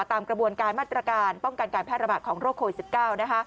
ตามกระบวนการมาตรการป้องกันการแพร่ระบาดของโรคโควิด๑๙นะคะ